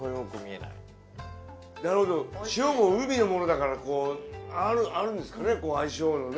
なるほど塩も海のものだからこうあるんですかね？